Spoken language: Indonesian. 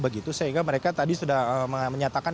begitu sehingga mereka tadi sudah menyatakan